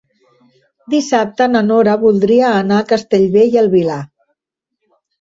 Dissabte na Nora voldria anar a Castellbell i el Vilar.